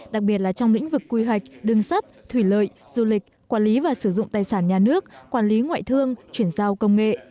đặc biệt là trong lĩnh vực quy hoạch đường sắt thủy lợi du lịch quản lý và sử dụng tài sản nhà nước quản lý ngoại thương chuyển giao công nghệ